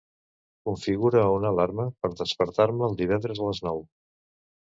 Configura una alarma per despertar-me el divendres a les nou.